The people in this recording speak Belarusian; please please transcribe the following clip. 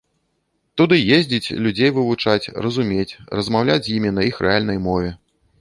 Туды ездзіць, людзей вывучаць, разумець, размаўляць з імі на іх рэальнай мове.